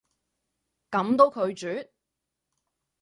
噉都拒絕？